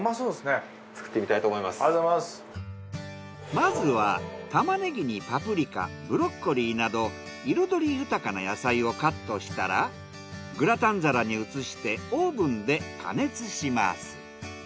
まずはタマネギにパプリカブロッコリーなど彩り豊かな野菜をカットしたらグラタン皿に移してオーブンで加熱します。